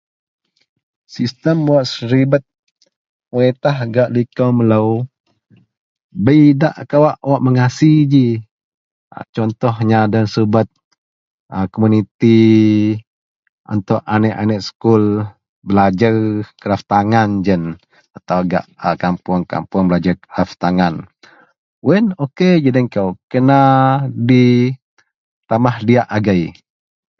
Sistem wak sibet peritah gak likou melou bei idak kawak wak mengasi ji contohnya deloyen subet a komuniti untuk aneak-aneak sekul belajer kraftangan jiyen atau gak a kapuong-kapuong belajer kraftangan. Wak yen ok ji den kou kena ditamah diyak agei.